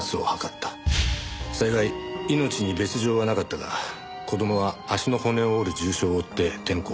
幸い命に別条はなかったが子供は足の骨を折る重傷を負って転校。